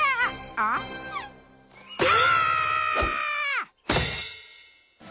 ああ！